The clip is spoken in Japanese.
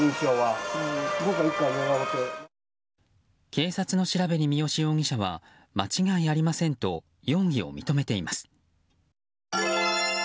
警察の調べに三好容疑者は間違いありませんと容疑を認めています。